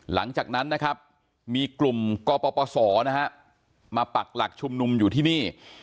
หลังจากนั้นนะครับมีกลุ่มกปศนะฮะมาปักหลักชุมนุมอยู่ที่นี่